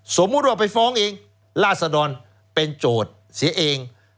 สมมุติว่าไปฟ้องเองราศดรเป็นโจทย์เสียเอง